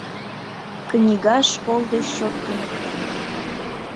Книга школ деч чот туныкта.